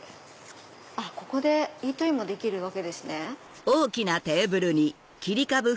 あっここでイートインもできるわけですね。